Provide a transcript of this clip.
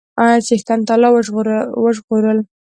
چښتن تعالی وژغورل.